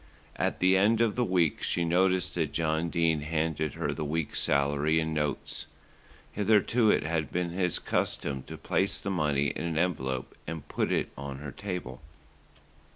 At the end of the week she noticed that John Dene handed her the week's salary in notes. Hitherto it had been his custom to place the money in an envelope and put it on her table.